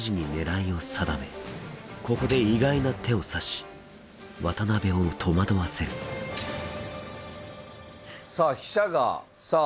ここで意外な手を指し渡辺を戸惑わせるさあ飛車がさあ